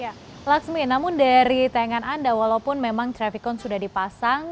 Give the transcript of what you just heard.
ya laksmi namun dari tayangan anda walaupun memang trafikon sudah dipasang